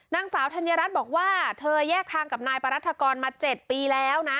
นางสาวธัญรัฐบอกว่าเธอแยกทางกับนายปรัฐกรมา๗ปีแล้วนะ